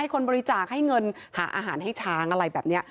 คนบริจาคให้เงินหาอาหารให้ช้างอะไรแบบนี้